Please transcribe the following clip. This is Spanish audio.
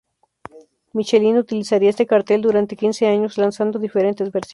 Michelin utilizará este cartel durante quince años lanzando diferentes versiones.